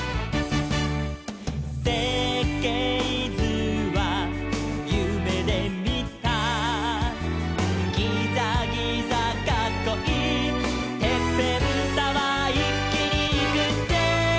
「せっけいずはゆめでみた」「ギザギザかっこいいてっぺんタワー」「いっきにいくぜ」